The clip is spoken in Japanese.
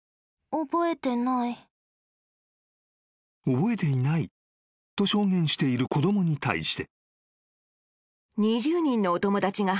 ［覚えていないと証言している子供に対して］